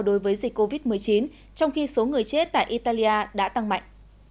đối với dịch covid một mươi chín trong khi số người chết tại italia đã tăng mạnh